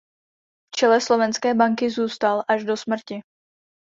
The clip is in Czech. V čele Slovenské banky zůstal až do smrti.